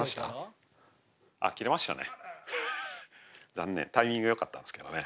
残念タイミングよかったんですけどね。